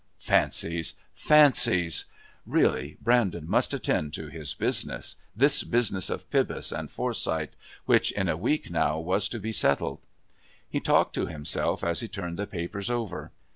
Fancies! Fancies! Really Brandon must attend to his business, this business of Pybus and Forsyth, which in a week now was to be settled. He talked to himself as he turned the papers over.